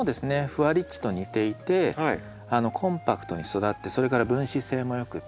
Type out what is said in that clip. ふわリッチと似ていてコンパクトに育ってそれから分枝性もよくって。